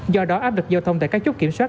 do đó áp lực giao thông tại các chốt kiểm soát